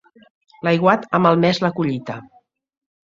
L'aiguat ha malmès la collita.